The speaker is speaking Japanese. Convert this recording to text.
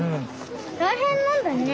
大変なんだね。